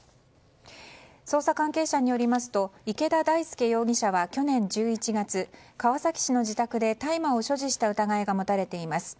捜査関係者によりますと池田大亮容疑者は去年１１月、川崎市の自宅で大麻を所持した疑いが持たれています。